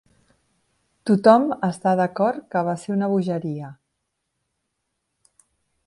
Tothom està d'acord que va ser una bogeria.